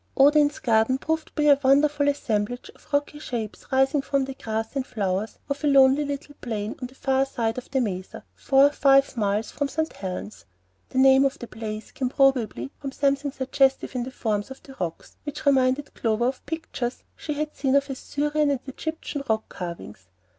Odin's Garden proved to be a wonderful assemblage of rocky shapes rising from the grass and flowers of a lonely little plain on the far side of the mesa, four or five miles from St. Helen's. The name of the place came probably from something suggestive in the forms of the rocks, which reminded Clover of pictures she had seen of Assyrian and Egyptian rock carvings.